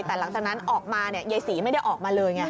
แต่หลังจากนั้นออกมายายศรีไม่ได้ออกมาเลยไง